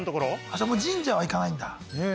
じゃあもう神社は行かないんだねえ